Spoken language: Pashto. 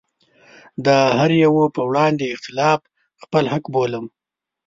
د هره يوه په وړاندې اختلاف خپل حق بولم.